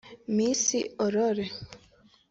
Miss Aurore